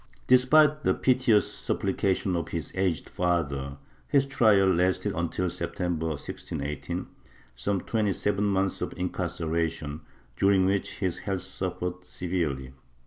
Despite the piteous supplications of his aged father, his trial lasted until September, 1618 — some twenty seven months of incar ceration, during which his health suffered severely.